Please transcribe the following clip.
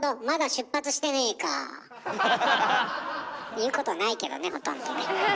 言うことないけどねほとんどね。